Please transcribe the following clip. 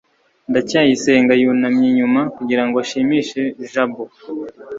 ndacyayisenga yunamye inyuma kugirango ashimishe jabo